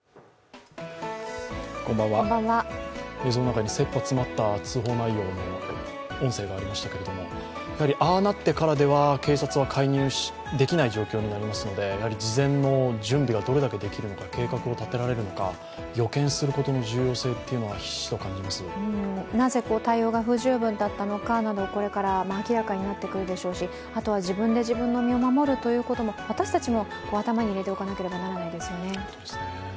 映像の中にせっぱ詰まった通報内容の音声がありましたけれどもやはりああなってからでは警察は介入できない状況になりますので、やはり事前の準備がどれだけできるのか計画を立てられるのか予見することの重要性はなぜ対応が不十分だったのかなど、これから明らかになってくるでしょうしあとは自分で自分の身を守るということも私たちも頭に入れておかなければならないですよね。